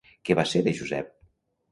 Què va ser de Josep?